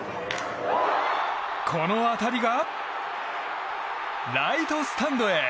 この当たりがライトスタンドへ！